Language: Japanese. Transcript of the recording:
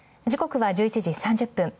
時刻は１１時３０分。